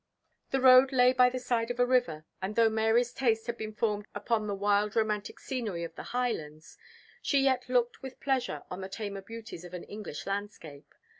The road lay by the side of a river; and though Mary's taste had been formed upon the wild romantic scenery of the Highlands, she yet looked with pleasure on the tamer beauties of an English landscape.